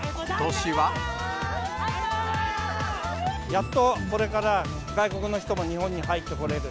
やっとこれから外国の人も日本に入ってこれる。